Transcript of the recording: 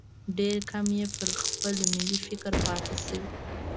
ډېر کم یې پر خپل ملي فکر پاتې شوي.